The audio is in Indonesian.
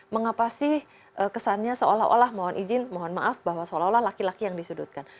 mengapa sih kesannya seolah olah mohon izin mohon maaf bahwa seolah olah laki laki yang disudutkan